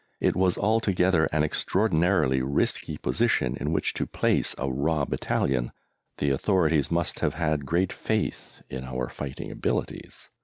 It was altogether an extraordinarily risky position in which to place a raw battalion. The authorities must have had great faith in our fighting abilities.